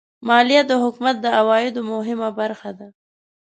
مالیه د حکومت د عوایدو مهمه برخه ده.